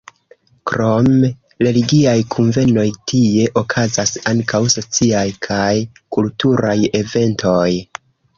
Krom religiaj kunvenoj, tie okazas ankaŭ sociaj kaj kulturaj eventoj.